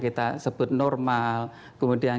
kita sebut normal kemudian